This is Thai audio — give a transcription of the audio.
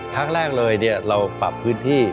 ครั้งแรกเลยเราปรับพื้นที่